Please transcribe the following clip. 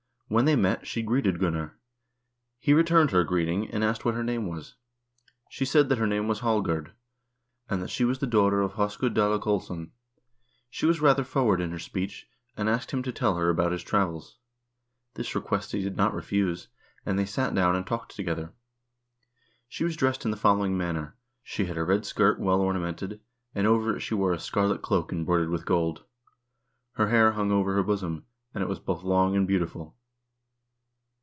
When they met, she greeted Gunnar. He returned her greet ing, and asked what her name was. She said that her name was Hallgerd, and that she was the daughter of Hoskuld Dalakollsson. She was rather forward in her speech, and asked him to tell her about his travels. This request he did not refuse, and they sat down and talked together. She was dressed in the following manner: She had a red skirt well ornamented, and over it she wore a scarlet cloak embroidered with gold. Her hair hung over her bosom, and it was both long and beautiful.